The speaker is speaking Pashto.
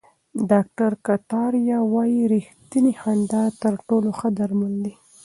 ډاکټر کتاریا وايي ریښتینې خندا تر ټولو ښه درمل دي.